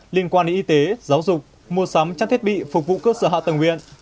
liên quan đến y tế giáo dục mua sắm chăn thiết bị phục vụ cơ sở hạ tầng huyện